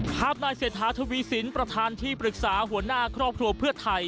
ภาพนายเศรษฐาทวีสินประธานที่ปรึกษาหัวหน้าครอบครัวเพื่อไทย